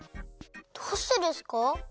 どうしてですか？